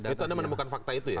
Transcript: itu anda menemukan fakta itu ya